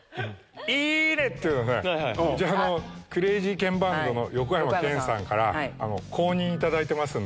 「イーネッ！」っていうのはねクレイジーケンバンドの横山剣さんから公認いただいてますので。